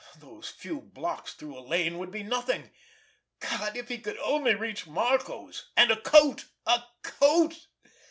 Those few blocks through a lane would be nothing! God, if he could only reach Marco's—and a coat! A coat!